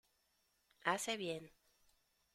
hace bien.